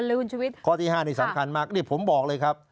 เลยคุณชุวิตข้อที่๕นี่สำคัญมากนี่ผมบอกเลยครับ